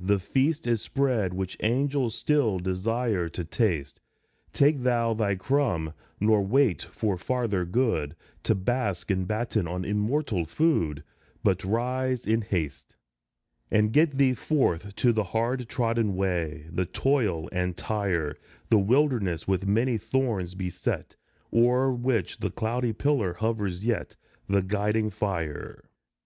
The feast is spread which angels still Desire to taste ; Take thou thy crumb, nor wait for farther good, To bask and batten on immortal food, But rise in haste ; And get thee forth to the hard trodden way, The toil and tire, The wilderness with many thorns beset, O'er which the cloudy pillar hovers yet, The guiding fire.